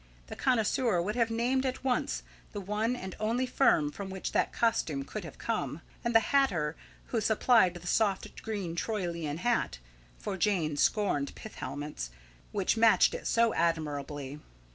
A connoisseur would have named at once the one and only firm from which that costume could have come, and the hatter who supplied the soft green Tyrolian hat for Jane scorned pith helmets which matched it so admirably.